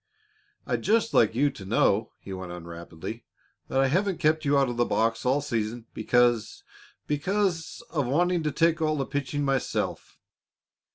"I'd just like you to know," he went on rapidly, "that I haven't kept you out of the box all season because because of wanting to take all the pitching myself.